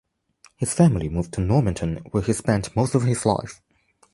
His family moved to Normanton where he spent most of his life.